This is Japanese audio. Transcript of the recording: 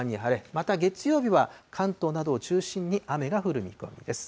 また月曜日は、関東などを中心に雨が降る見込みです。